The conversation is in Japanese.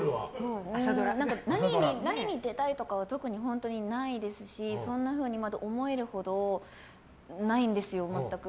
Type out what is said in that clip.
何に出たいとかは特に本当にないですしそんなふうに思えるほどないんですよ全く。